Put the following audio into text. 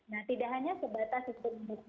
nah tidak hanya sebatas itu memungkinkan